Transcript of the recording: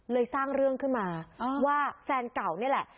สร้างเรื่องขึ้นมาว่าแฟนเก่านี่แหละ